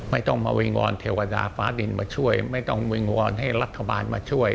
ไม่ต้องมาวิงวอนเทวดาฟ้าดินมาช่วยไม่ต้องวิงวอนให้รัฐบาลมาช่วย